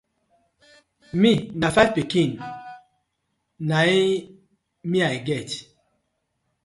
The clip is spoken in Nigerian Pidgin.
Mi na fiv pikin na it me I get.